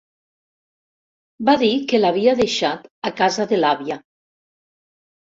Va dir que l'havia deixat a casa de l'àvia.